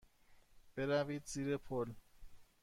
بروید زیر پل.